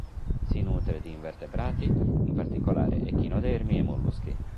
Si nutre di invertebrati, in particolare echinodermi e molluschi.